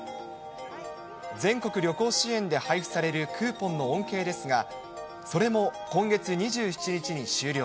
全国旅行支援で配布されるクーポンの恩恵ですが、それも今月２７日に終了。